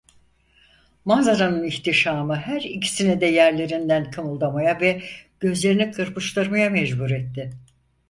Manzaranın ihtişamı her ikisini de yerlerinden kımıldamaya ve gözlerini kırpıştırmaya mecbur etti.